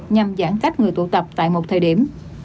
nhằm giãn cách người tụ tập tại một thời điểm